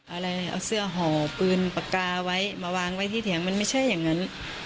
อะไรเอาเสื้อห่อปืนปากกาไว้มาวางไว้ที่เถียงมันไม่ใช่อย่างนั้น